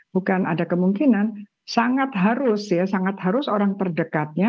bukan ada kemungkinan sangat harus ya sangat harus orang terdekatnya